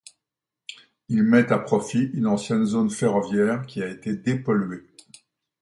Il met à profit une ancienne zone ferroviaire qui a été dépolluée.